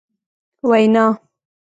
وینا ...